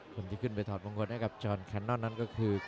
คนที่ขึ้นไปถอดมงคลให้กับชอนแคนนอนนั้นก็คือ